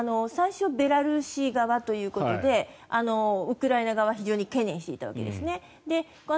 最初、ベラルーシ側ということでウクライナ側は非常に懸念していたわけです。